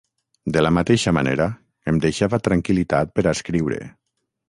De la mateixa manera, em deixava tranquil·litat per a escriure.